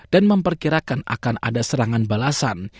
dan memperkirakan akan ada serangan balasan